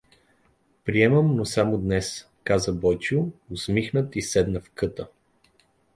— Приемам, но само за днес — каза Бойчо усмихнат и седна в къта.